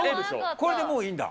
これでもういいんだ。